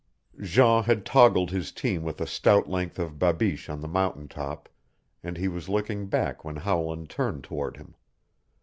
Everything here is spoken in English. Jean had toggled his team with a stout length of babeesh on the mountain top and he was looking back when Howland turned toward him.